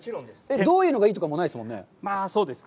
どういうのがいいとかもないですもんね。